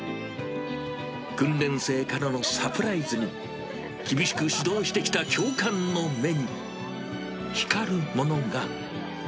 訓練生からのサプライズに、厳しく指導してきた教官の目に、光るものが。